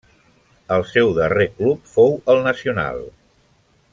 El seu darrer club fou Nacional.